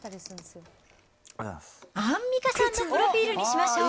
アンミカさんのプロフィールにしましょう。